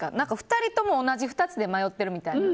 ２人とも同じ２つで迷っているみたいな。